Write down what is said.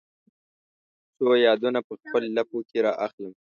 څو یادونه په خپل لپو کې را اخلم